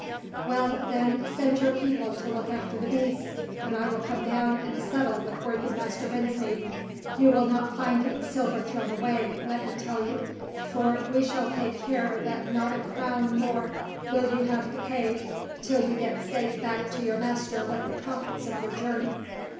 "Well, then, send your people to look after the beasts, and I will come down and settle with worthy Master Brinsmead. You will not find it silver thrown away, let me tell you; for we shall take care that not a crown more will you have to pay till you get safe back to your master with the profits of your journey."